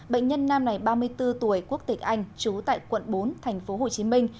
bệnh nhân nam này ba mươi bốn tuổi quốc tịch anh trú tại quận bốn tp hcm